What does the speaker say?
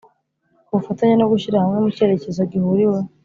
Ubufatanye no Gushyira hamwe mu cyerekezo gihuriweho